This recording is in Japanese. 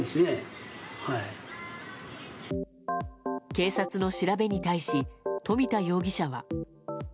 警察の調べに対し冨田容疑者は。